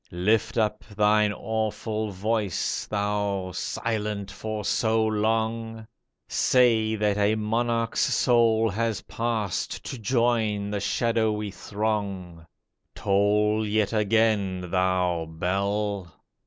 Lift up thine awful voice, Thou, silent for so long ! Say that a monarch's soul has passed To join the shadowy throng. Toll yet again, thou bell